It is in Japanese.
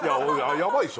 やばいでしょ。